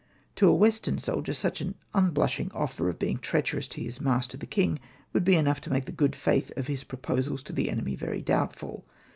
To a Western soldier such an unblushing offer of being treacherous to his master the king would be enough to make the good faith of his pro posals to the enemy very doubtful.